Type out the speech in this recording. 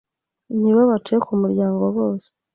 ntibabace ku muryango bose